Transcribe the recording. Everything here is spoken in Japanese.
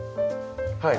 はい。